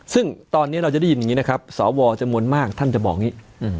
ซึ่งตอนนี้เราจะได้ยินอย่างนี้นะครับสวจำนวนมากท่านจะบอกอย่างนี้